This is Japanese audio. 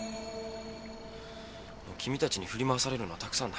もう君たちに振り回されるのはたくさんだ。